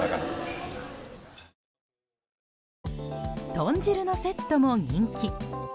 豚汁のセットも人気。